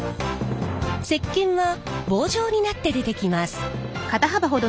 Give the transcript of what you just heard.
石けんは棒状になって出てきます。